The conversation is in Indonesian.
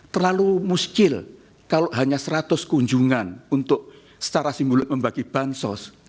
terlalu muskil kalau hanya seratus kunjungan untuk secara simbolik membagi bansos